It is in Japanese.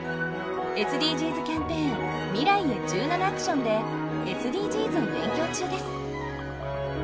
ＳＤＧｓキャンペーン「未来へ１７ａｃｔｉｏｎ」でＳＤＧｓを勉強中です。